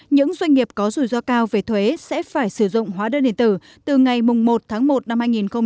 những doanh nghiệp có rủi ro cao về thuế sẽ phải sử dụng hóa đơn điện tử từ ngày một tháng một năm hai nghìn hai mươi